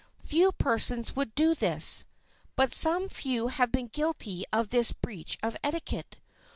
Few persons would do this,—but some few have been guilty of this breach of etiquette.